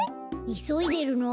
いそいでるの？